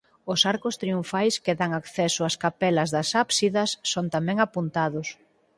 Os arcos triunfais que dan acceso ás capelas das ábsidas son tamén apuntados.